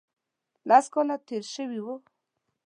لس کاله تېر شوي وو.